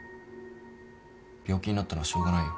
病気になったのはしょうがないよ。